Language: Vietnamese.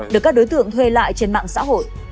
được các đối tượng thuê lại trên mạng xã hội